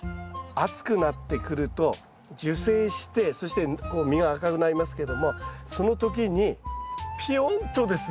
暑くなってくると受精してそして実が赤くなりますけどもその時にぴよんとですね